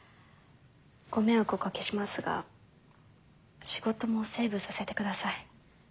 ご迷惑をおかけしますが仕事もセーブさせてください。